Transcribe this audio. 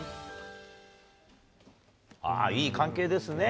いい関係ですね。